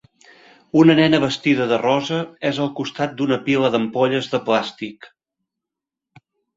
Una nena vestida de rosa és al costat d'una pila d'ampolles de plàstic.